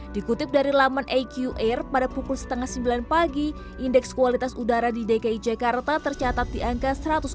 dikutip dari laman aqr pada pukul setengah sembilan pagi indeks kualitas udara di dki jakarta tercatat di angka satu ratus enam puluh